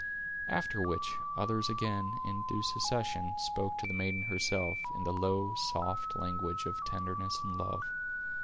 After which, others again, in due succession, spoke to the maiden herself, in the low, soft language of tenderness and love.